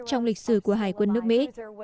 trong lịch sử của hải quân nước mỹ